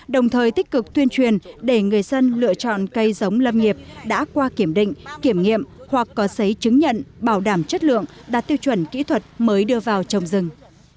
đồng thời tích cực tuyên truyền để người dân lựa chọn cây giống lâm nghiệp đã qua kiểm định kiểm nghiệm hoặc có giấy chứng nhận bảo đảm chất lượng đạt tiêu chuẩn kỹ thuật mới đưa vào trồng rừng